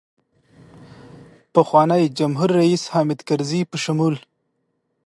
پخواني جمهورریس حامدکرزي په شمول.